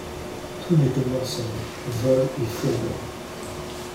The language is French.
Tout n’est que mensonge, vol et fourberie !…